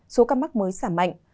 số ca mắc mới giảm mạnh